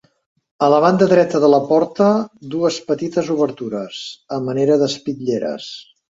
A la banda dreta de la porta dues petites obertures, a manera d'espitlleres.